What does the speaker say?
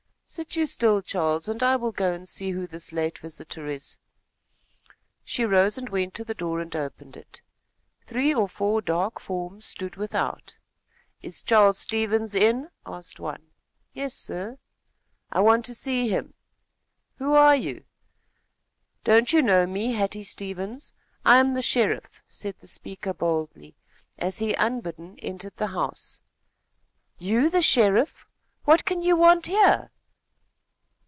"Sit you still, Charles, and I will go and see who this late visitor is." She rose and went to the door and opened it. Three or four dark forms stood without. "Is Charles Stevens in?" asked one. "Yes, sir." "I want to see him." "Who are you?" "Don't you know me, Hattie Stevens? I am the sheriff," said the speaker boldly, as he, unbidden, entered the house. "You the sheriff! What can you want here?"